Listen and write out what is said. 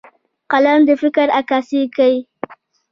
قلم د فکر عکاسي کوي